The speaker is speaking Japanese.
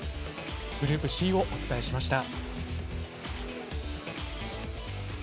グループＣをお伝えしました。